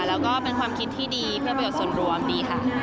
แล้วก็เป็นความคิดที่ดีเพื่อประโยชน์ส่วนรวมดีค่ะ